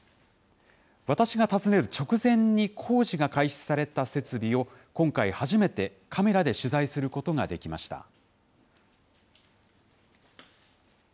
私が訪ねる直前に工事が開始された設備を、今回、初めてカメラで取材することができました。